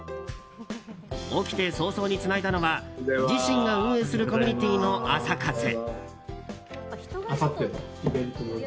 起きて早々につないだのは自身が運営するコミュニティーの朝活。